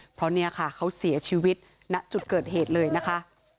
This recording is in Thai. เพราะเนี่ยค่ะเขาเสียชีวิตณจุดเกิดเหตุเลยนะคะ